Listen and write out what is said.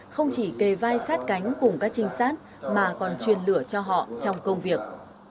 không chỉ kề vai sát cánh cùng các trinh sát mà còn chuyên lửa cho họ trong công việc